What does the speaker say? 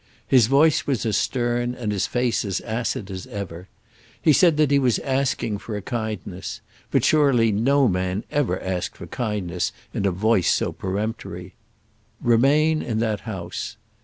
His voice was as stern and his face as acid as ever. He said that he was asking for a kindness; but surely no man ever asked for kindness in a voice so peremptory. "Remain in that house."